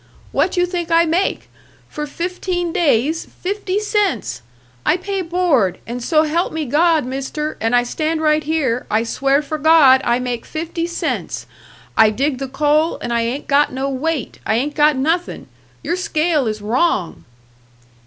"What you think I make? For fifteen days, fifty cents! I pay board, and so help me God, Mister and I stand right here I swear for God I make fifty cents. I dig the coal and I ain't got no weight, I ain't got nothing! Your scale is wrong!"